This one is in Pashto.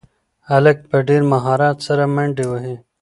هلک په ډېر مهارت سره منډې وهي.